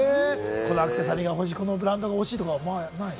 このアクセサリーが欲しい、このブランドが欲しいとかはない？